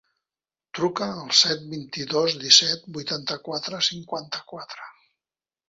Truca al set, vint-i-dos, disset, vuitanta-quatre, cinquanta-quatre.